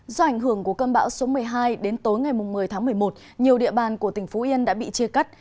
do ảnh hưởng của cơn bão số một mươi hai đến tối ngày một mươi tháng một mươi một nhiều địa bàn của tỉnh phú yên đã bị chia cắt